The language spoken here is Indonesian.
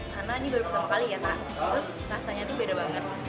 karena ini baru pertama kali ya terus rasanya itu beda banget